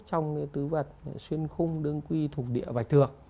trong cái tứ vật xuyên khung đương quy thục địa bạch thược